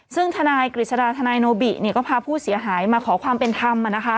ซึ่งทนายกฤษฎาทนายโนบิเนี่ยก็พาผู้เสียหายมาขอความเป็นธรรมนะคะ